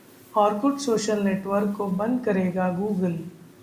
Orkut social network को बंद करेगा गूगल